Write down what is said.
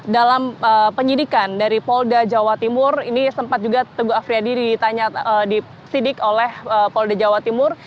dalam penyidikan dari polda jawa timur ini sempat juga teguh afriyadi ditanya disidik oleh polda jawa timur